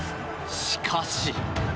しかし。